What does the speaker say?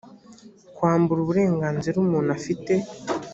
kwambura uburenganzira umuntu afite